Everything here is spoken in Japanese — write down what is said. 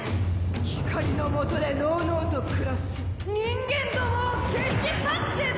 光のもとでのうのうと暮らす人間どもを消し去ってな！